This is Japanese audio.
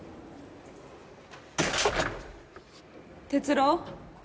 哲郎